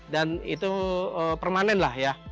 dan itu permanen lah ya